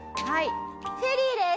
フェリーです。